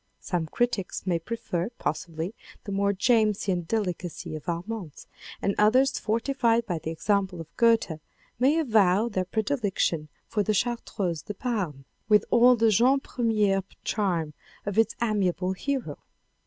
Some critics may prefer, possibly, the more Jamesian delicacy of Armance, and others fortified by the example of Goethe may avow their predilection for The Chartreuse de Parme with all the jeune premier charm of its amiable hero.